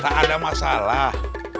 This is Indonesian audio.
tak ada masalah